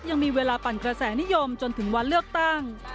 ยังมีเวลาปั่นกระแสนิยมจนถึงวันเลือกตั้ง